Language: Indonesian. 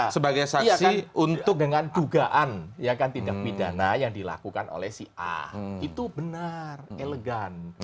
sebagai saksi untuk dengan dugaan ya kan tidak pidana yang dilakukan oleh siah itu benar elegan